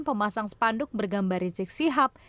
pemasang spanduk bergambar rizik sihab